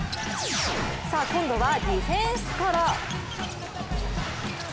さあ今度はディフェンスから。